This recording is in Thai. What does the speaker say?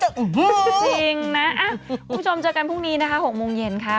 จริงนะคุณผู้ชมเจอกันพรุ่งนี้นะคะ๖โมงเย็นค่ะ